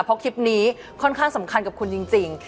เพราะคลิปนี้ค่อนข้างสำคัญกับคุณจริง